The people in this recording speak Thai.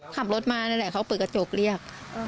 ขับรถมานั่นแหละเขาเปิดกระจกเรียก